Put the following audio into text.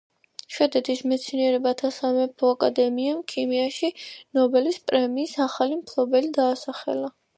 შვედეთის მეცნიერებათა სამეფო აკადემიამ ქიმიაში ნობელის პრემიის ახალი მფლობელები დაასახელა.